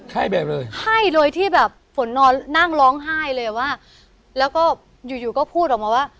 ให้แบบเลยให้เลยที่แบบฝนนอนนั่งร้องไห้เลยอ่ะว่าแล้วก็อยู่อยู่ก็พูดออกมาว่า